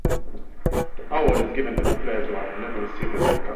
The award is given to the players who have never received a red card.